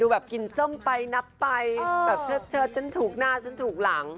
แบบกินส้มไปนับไปแบบเชิดฉันถูกหน้าฉันถูกหลัง